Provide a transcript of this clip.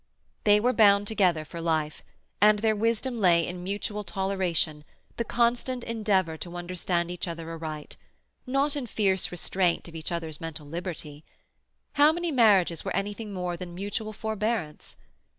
They were bound together for life, and their wisdom lay in mutual toleration, the constant endeavour to understand each other aright—not in fierce restraint of each other's mental liberty. How many marriages were anything more than mutual forbearance?